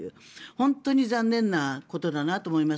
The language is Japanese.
本当に残念なことだなと思います。